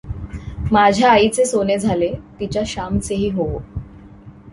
माझ्या आईचे सोने झाले, तिच्या श्यामचेही होवो.